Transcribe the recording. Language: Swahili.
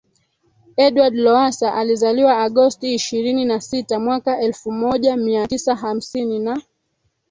Edward Lowassa alizaliwa Agosti ishirini na sita mwaka elfu moja Mia Tisa hamsini na